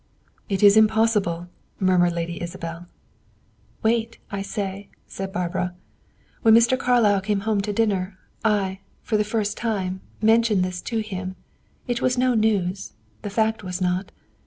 "It is impossible!" murmured Lady Isabel. "Wait, I say," said Barbara. "When Mr. Carlyle came home to dinner, I, for the first time, mentioned this to him. It was no news the fact was not.